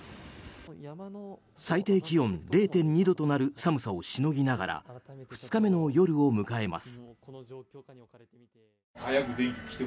最低気温０．２度となる寒さをしのぎながら２日目の夜を迎えます。